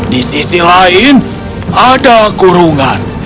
di sisi lain ada kurungan